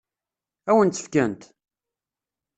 Ad wen-tt-fkent?